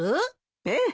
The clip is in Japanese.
ええ。